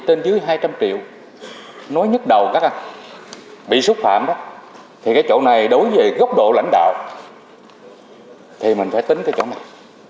trên dưới hai trăm linh triệu nói nhức đầu các anh bị xúc phạm đó thì cái chỗ này đối với góc độ lãnh đạo thì mình phải tính cái chỗ này